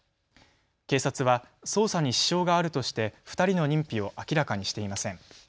警察は捜査に支障があるとして２人の認否を明らかにしていません。